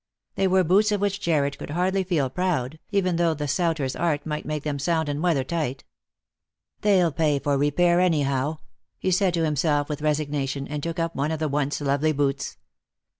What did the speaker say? They were boots of which Jarred could hardly feel proud, even though the souter's art might make them sound and weather tight. " They'll pay for repair anyhow," he said to himself with, resignation, and took up one of the once lovely boots.